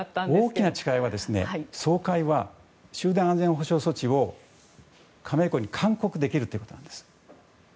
大きな違いは総会は集団安全保障措置を加盟国に勧告できるというところなんです。